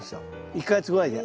１か月ぐらいで。